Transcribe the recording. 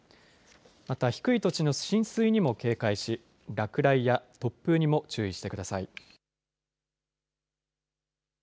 また低い土地の浸水にも警戒し落雷や突風にも注意してください。